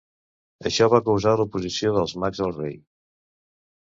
Això va causar l'oposició dels mags al rei.